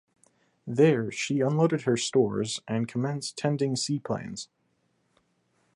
There, she unloaded her stores and commenced tending seaplanes.